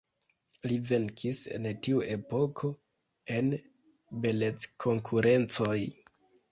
Li venkis en tiu epoko en beleckonkurencoj.